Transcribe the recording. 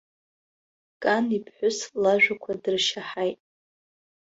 Кан иԥҳәыс лажәақәа дыршьаҳаит.